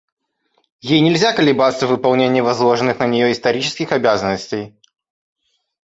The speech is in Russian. Ей нельзя колебаться в выполнении возложенных на нее исторических обязанностей.